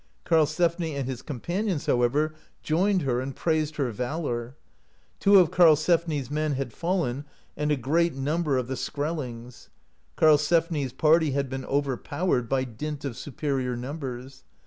Karlsefni and his companions, however, joined her and praised her valour. Two of Karlsefni's men had fallen and a great number of the Skrellings. Karlsefni's party had been overpowered by dint of superior numbers.